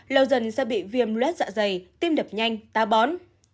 lâu dần sẽ bị viêm lết dạ dày tim đập nhanh ta bón